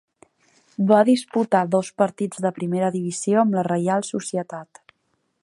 Va disputar dos partits de primera divisió amb la Reial Societat.